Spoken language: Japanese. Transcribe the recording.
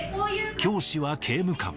教師は刑務官。